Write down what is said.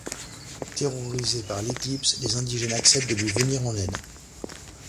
Terrorisés par l’éclipse, les indigènes acceptèrent de lui venir en aide.